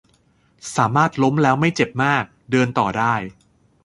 สามารถล้มแล้วไม่เจ็บมาก เดินต่อได้